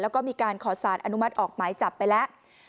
แล้วก็มีการขอสารอนุมัติออกหมายจับไปแล้ว